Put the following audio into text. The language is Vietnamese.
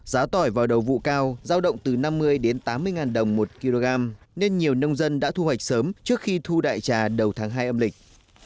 giá tỏi vào đầu vụ cao giao động từ năm mươi đến tám mươi ngàn đồng một kg nên nhiều nông dân đã thu hoạch sớm trước khi thu đại trà đầu tháng hai âm lịch